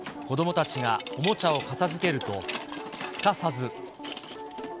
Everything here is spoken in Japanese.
子どもたちがおもちゃを片づけると、すかさず。